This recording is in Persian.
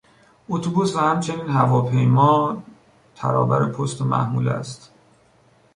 اتوبوس و همچنین هواپیما ترابر پست و محموله است.